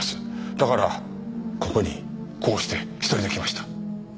だからここにこうして１人で来ました。